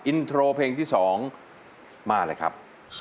อินโทรเพลงที่๒มาเลยครับ